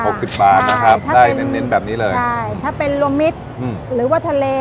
สิบบาทนะครับได้เน้นเน้นแบบนี้เลยใช่ถ้าเป็นรวมมิตรอืมหรือว่าทะเล